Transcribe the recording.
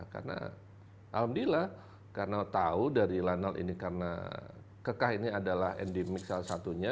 karena alhamdulillah karena tahu dari lanal ini karena kekah ini adalah endemik salah satunya